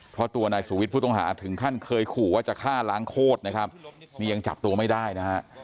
เพราะตัวนายสุวิทย์ผู้ต้องหาถึงขั้นเคยขู่ว่าจะฆ่าล้างโคตรนะครับนี่ยังจับตัวไม่ได้นะฮะ